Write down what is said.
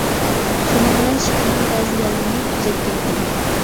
شۇنىڭ بىلەن شېئىرنىڭ بەزى يەرلىرىنى تۈزەتكەن ئىدىم.